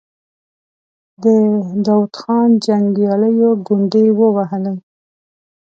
د داود خان جنګياليو ګونډې ووهلې.